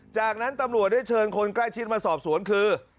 จากนั้นตำรวจได้เชิญคนใกล้ชิดมาสอบสวนคือ